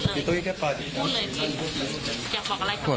ใช้อาร์มแม็กซ์ข้างข้างก้อน